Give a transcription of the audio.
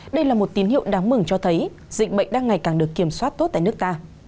đây là một tín hiệu đáng mừng cho thấy dịch bệnh đang ngày càng được kiểm soát tốt tại nước ta